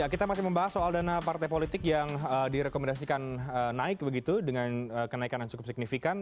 kita masih membahas soal dana partai politik yang direkomendasikan naik begitu dengan kenaikan yang cukup signifikan